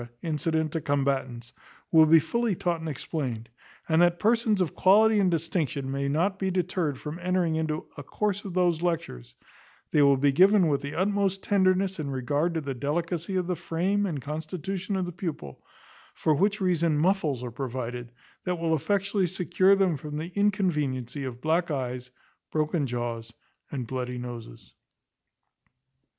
incident to combatants, will be fully taught and explained; and that persons of quality and distinction may not be deterred from entering into A course of those lectures, they will be given with the utmost tenderness and regard to the delicacy of the frame and constitution of the pupil, for which reason muffles are provided, that will effectually secure them from the inconveniency of black eyes, broken jaws, and bloody noses.